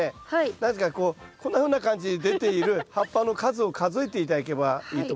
何ですかこうこんなふうな感じで出ている葉っぱの数を数えて頂けばいいと思います。